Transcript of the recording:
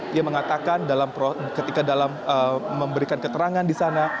dia mengatakan ketika dalam memberikan keterangan di sana